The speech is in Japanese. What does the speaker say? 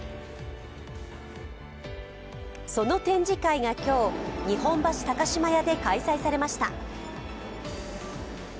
その展示会が今日、日本橋高島屋で開催されました。